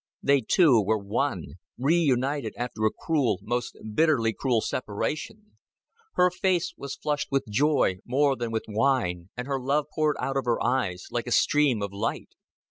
They two were one, reunited after a cruel, most bitterly cruel separation; her face was flushed with joy more than with wine, and her love poured out of her eyes like a stream of light.